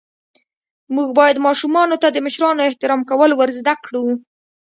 موږ باید ماشومانو ته د مشرانو احترام کول ور زده ڪړو.